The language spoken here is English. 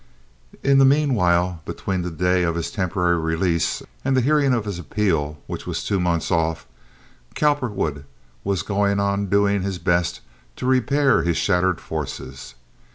In the meanwhile between the day of his temporary release and the hearing of his appeal which was two months off, Cowperwood was going on doing his best to repair his shattered forces.